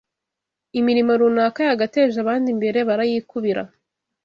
imirimo runaka yagateje abandiimbere barayikubira